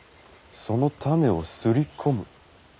その種をすり込む。